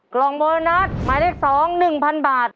กล่องโบนัสหมายเลข๒๑๐๐๐บาท